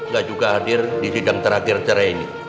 gak juga hadir di sidang terakhir cerai ini